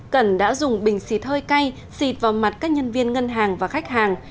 cẩn đã dùng bình xịt hơi cay xịt vào mặt các nhân viên ngân hàng và khách hàng